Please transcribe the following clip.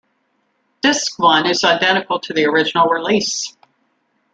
Disc one is identical to the original release.